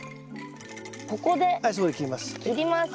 ここで切ります。